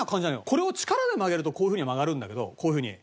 これを力で曲げるとこういうふうには曲がるんだけどこういうふうに。